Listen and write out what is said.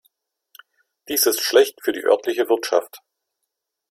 Dies ist schlecht für die örtliche Wirtschaft.